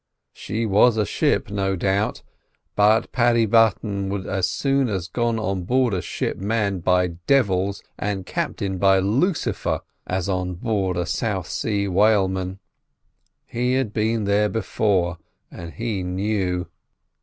She was a ship, no doubt, but Paddy Button would as soon have gone on board a ship manned by devils, and captained by Lucifer, as on board a South Sea whaleman. He had been there before, and he knew.